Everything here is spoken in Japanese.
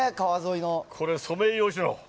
これ、ソメイヨシノ。